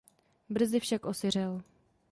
Brzy však osiřel.